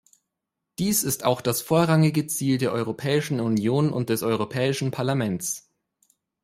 Dies ist auch das vorrangige Ziel der Europäischen Union und des Europäischen Parlaments.